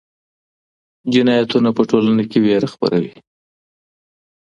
جنایتونه په ټولنه کې ویره خپروي.